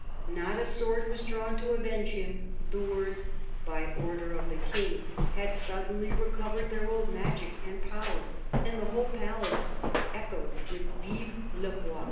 Not a sword was drawn to avenge him ; the words " By order of the King," had suddenly recovered their old magic power, and the whole palace echoed with " Vive le Roi